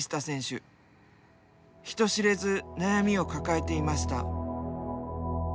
人知れず悩みを抱えていました。